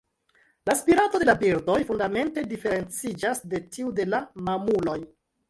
La spirado de la birdoj fundamente diferenciĝas de tiu de la mamuloj.